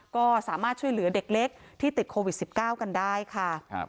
ก็สามารถช่วยเหลือเด็กเล็กที่ติดโควิด๑๙กันได้ค่ะ